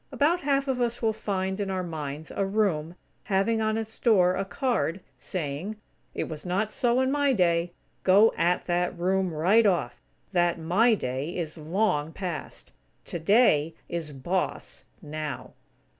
About half of us will find, in our minds, a room, having on its door a card, saying: "It Was Not So In My Day." Go at that room, right off. That "My Day" is long past. "Today" is boss, now.